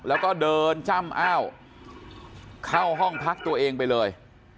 แล้วก็เดินจ้ำอ้าวเข้าห้องพักตัวเองไปเลย